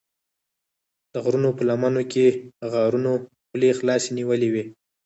د غرونو په لمنو کې غارونو خولې خلاصې نیولې وې.